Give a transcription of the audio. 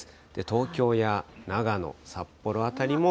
東京や長野、札幌辺りも。